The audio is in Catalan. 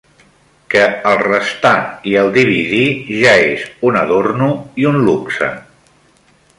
Que el restar i el dividir, ja es un adorno i un luxe.